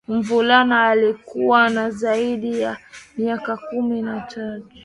mvulana alikuwa na zaidi ya miaka kumi na tatu